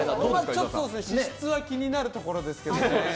ちょっと脂質が気になるところですけどね。